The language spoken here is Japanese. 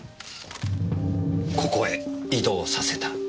ここへ移動させた。